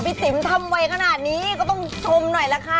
ติ๋มทำไวขนาดนี้ก็ต้องชมหน่อยล่ะค่ะ